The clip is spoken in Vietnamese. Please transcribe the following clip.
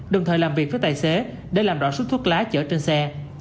đồng thời làm việc với tài xế để làm rõ sức thuốc lá chở trên xe